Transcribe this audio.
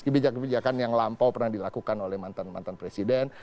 kebijakan kebijakan yang lampau pernah dilakukan oleh mantan mantan presiden